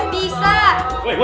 bisa kan lebih lama